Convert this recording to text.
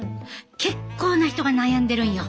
結構な人が悩んでるんよ。